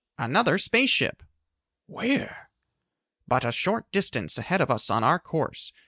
"Another space ship!" "Where?" "But a short distance ahead of us on our course.